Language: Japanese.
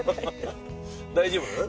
大丈夫？